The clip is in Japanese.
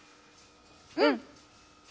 うん。